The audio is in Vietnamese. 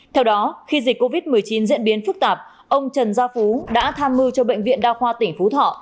theo đó khi dịch covid một mươi chín diễn biến phức tạp ông trần gia phú đã tham mưu cho bệnh viện đa khoa tỉnh phú thọ